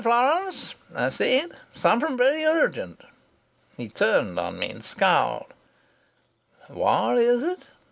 Florance,' I said. 'Something very urgent.' He turned on me and scowled: 'What is it?'